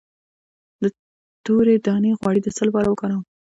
د تورې دانې غوړي د څه لپاره وکاروم؟